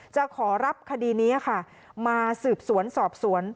จะขอรับคดีนี้ค่ะมาสืบสวนสอบสวน